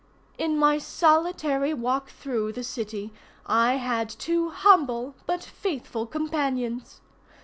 In my solitary walk through, the city I had two humble but faithful companions.